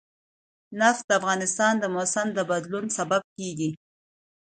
نفت د افغانستان د موسم د بدلون سبب کېږي.